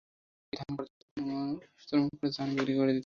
এমনকি ধান কর্তনের জন্য শ্রমিক খরচও ধান বিক্রি করে দিতে হয়।